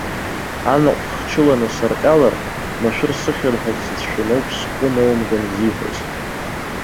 Анаҟә хчыланы сарҟьалар, машәыр сыхьыр ҳәа дсыцәшәаны ауп схәы ноумган зиҳәаз.